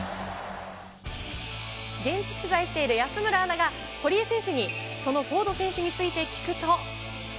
現地取材している安村アナが、堀江選手にそのフォード選手について聞くと。